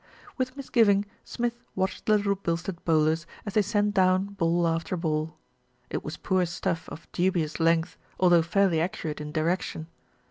With misgiving Smith watched the Little Bilstead bowlers as they sent down ball after ball. It was poor stuff of dubious length, although fairly accurate in direction.